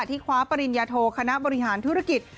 ที่คว้าปริญญาโทคณะบริหารธุรกิจ